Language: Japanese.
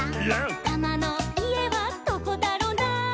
「タマのいえはどこだろな」